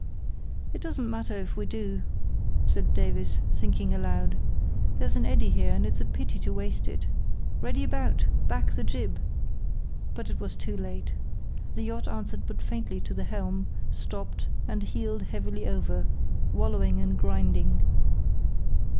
"It doesn't matter if we do," said Davies, thinking aloud. "There's an eddy here, and it's a pity to waste it—ready about! Back the jib!" But it was too late. The yacht answered but faintly to the helm, stopped, and heeled heavily over, wallowing and grinding.